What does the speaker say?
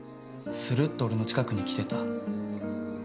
するっと俺の近くに来てた。